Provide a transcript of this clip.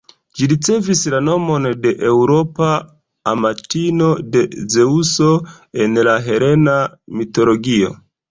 Ĝi ricevis la nomon de Eŭropa, amatino de Zeŭso en la helena mitologio.